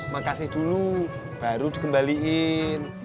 makasih dulu baru dikembalian